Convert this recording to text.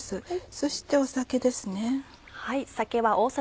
そして酒ですね。